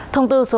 thông tư số hai